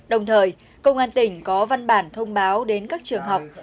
đồng thời công an tỉnh có văn bản thông báo đến các trường học